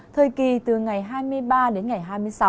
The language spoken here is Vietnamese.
thời kỳ từ ngày hai mươi ba đến ngày hai mươi sáu